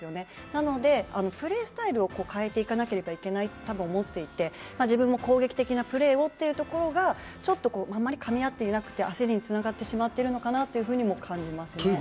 なので、プレースタイルを変えていかなければいけないと思っていて自分も攻撃的なプレーをというところが、あまりかみ合っていなくて、焦りにつながってしまっているのかなとも感じますね。